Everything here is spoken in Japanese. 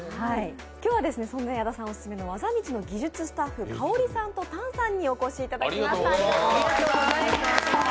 今日はそんな矢田さんオススメの技道の技術スタッフ、馨さんと丹さんにお越しいただきました。